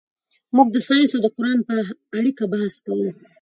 موږ د ساینس او قرآن په اړیکه بحث کوو.